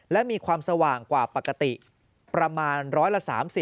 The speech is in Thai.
และมีความสว่างกว่าปกติประมาณร้อยละ๓๐